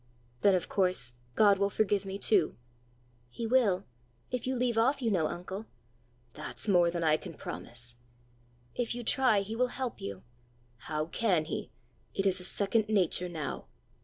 "Then of course God will forgive me too!" "He will if you leave off, you know, uncle." "That's more than I can promise." "If you try, he will help you." "How can he? It is a second nature now!"